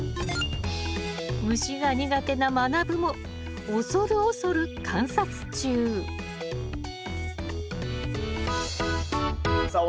虫が苦手なまなぶも恐る恐る観察中さあ